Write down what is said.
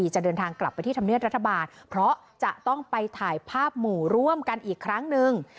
จะเดินทางกลับไปที่ธรรมเนียบรัฐบาลเพราะจะต้องไปถ่ายภาพหมู่ร่วมกันอีกครั้งหนึ่ง